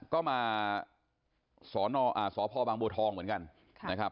ก็มาสพบางบัวทองเหมือนกันนะครับ